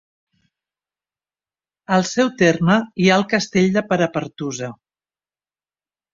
Al seu terme hi ha el castell de Perapertusa.